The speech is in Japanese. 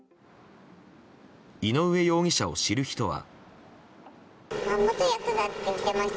井上容疑者を知る人は。